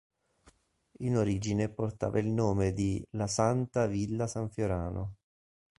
In origine portava il nome di "La Santa-Villa San Fiorano".